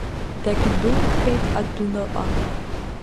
Дагьдәылԥеит адәныҟа.